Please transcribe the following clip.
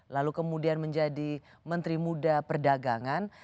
lalu kemudian menjadi menteri muda perdagangan